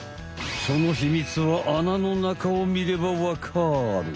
そのヒミツは穴の中をみればわかる。